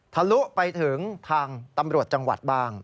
ทะลุไปถึงทางตำรวจจังหวัดบ้าง